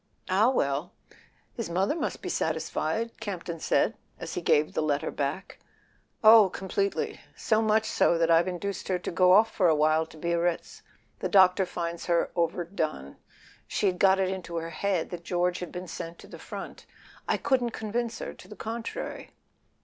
"Ah, well—his mother must be satisfied,'' Camp ton said as he gave the letter back. "Oh, completely. So much so that I've induced her to go off for a while to Biarritz. The doctor finds her overdone; she'd got it into her head that George had been sent to the front; I couldn't convince her to the contrary."